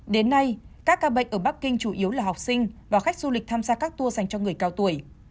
đến nay các ca bệnh ở bắc kinh chủ yếu là học sinh và khách du lịch tham gia các tour dành cho người cao tuổi